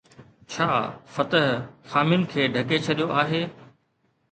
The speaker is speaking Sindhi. ڇا فتح خامين کي ڍڪي ڇڏيو آهي؟